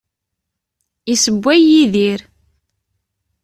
Issewway Yidir.